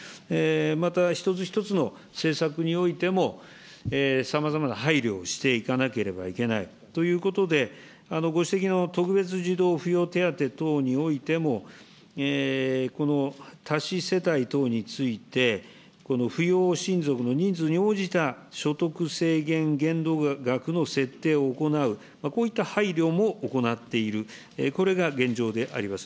また、一つ一つの政策においても、さまざまな配慮をしていかなければいけないということで、ご指摘の特別児童扶養手当等においても、多子世帯等について、扶養親族の人数に応じた所得制限限度額の設定を行う、こういった配慮も行っている、これが現状であります。